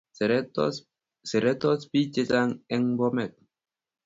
Seretos pik che chang en bomet